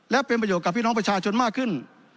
และเป็นประโยชน์กับพี่น้องประชาชนมากขึ้น